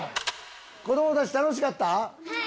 子供たち楽しかった？